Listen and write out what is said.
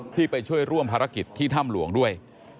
ไปช่วยร่วมภารกิจที่ถ้ำหลวงด้วย